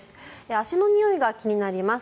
足のにおいが気になります